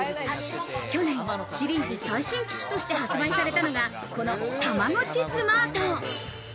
去年、シリーズ最新機種として発売されたのがこの、たまごっちスマート。